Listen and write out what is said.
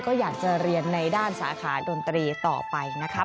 ก็อยากจะเรียนในด้านสาขาดนตรีต่อไปนะคะ